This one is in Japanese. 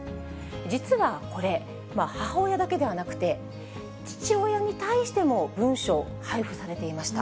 実はこれ、母親だけではなくて、父親に対しても文書、配布されていました。